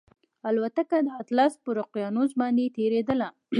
الوتکه د اطلس پر اقیانوس باندې تېرېدله